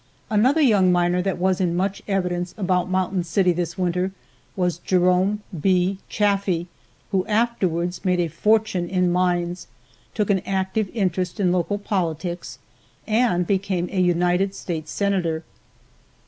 Another young miner that was much in evidence about Mountain City this winter was Jerome B. Chaffee, who afterwards made a fortune in mines, took an active interest in local politics and became a United States Senator.